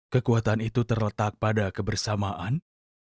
kekuatan itu terletak pada kebersamaan